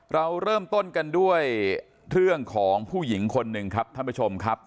เราเริ่มต้นกันด้วยเรื่องของผู้หญิงคนหนึ่งครับท่านผู้ชมครับ